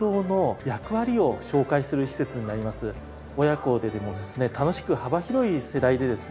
親子ででもですね楽しく幅広い世代でですね